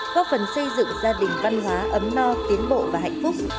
góp phần xây dựng gia đình văn hóa ấm no tiến bộ và hạnh phúc